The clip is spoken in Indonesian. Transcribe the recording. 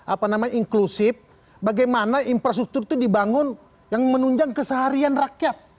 apa namanya inklusif bagaimana infrastruktur itu dibangun yang menunjang keseharian rakyat